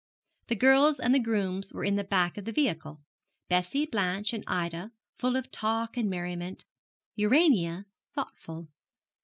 The girls and the grooms were in the back of the vehicle Bessie, Blanche, and Ida full of talk and merriment, Urania thoughtful.